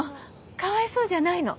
かわいそうじゃないの。